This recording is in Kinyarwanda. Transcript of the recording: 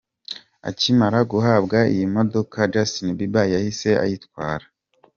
Akimara guhabwa iyi modoka, Justin bieber yahise ayitwara!.